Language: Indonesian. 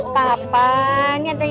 kamu ada di sebelah sana tadi